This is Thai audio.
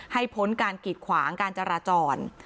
พ้นการกิดขวางการจราจร